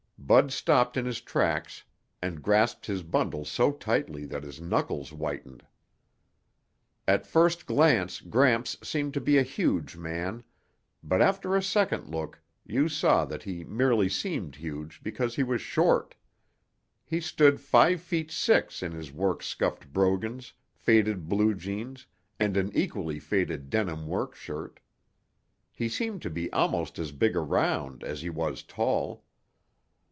Bud stopped in his tracks and grasped his bundle so tightly that his knuckles whitened. At first glance Gramps seemed to be a huge man, but after a second look you saw that he merely seemed huge because he was short. He stood five feet six in his work scuffed brogans, faded blue jeans and an equally faded denim work shirt. He seemed to be almost as big around as he was tall.